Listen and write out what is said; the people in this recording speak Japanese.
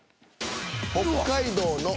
「北海道の」